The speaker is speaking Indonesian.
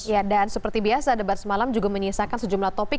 ya dan seperti biasa debat semalam juga menyisakan sejumlah topik